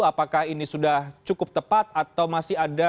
apakah ini sudah cukup tepat atau masih ada